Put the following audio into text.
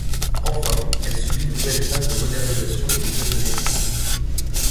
Enfin, elle subit une nouvelle phase de modernisation une douzaine d'années plus tard.